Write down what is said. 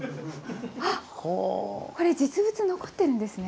これ実物残ってるんですね。